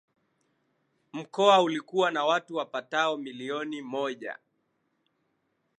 Mkoa ulikuwa na watu wapatao milioni moja